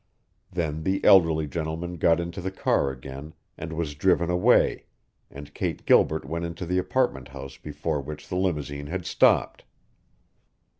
Then the elderly gentleman got into the car again and was driven away, and Kate Gilbert went into the apartment house before which the limousine had stopped.